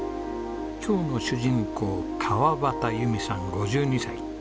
今日の主人公川端由美さん５２歳。